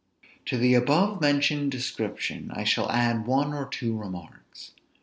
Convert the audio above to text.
To the above mentioned description I shall add one or two remarks.